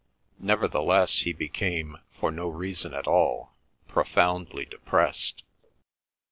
Nevertheless he became, for no reason at all, profoundly depressed.